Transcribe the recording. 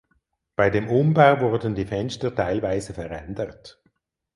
Bei dem Umbau wurden die Fenster teilweise verändert.